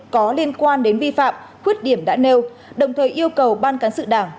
có liên quan đến vi phạm khuyết điểm đã nêu đồng thời yêu cầu ban cán sự đảng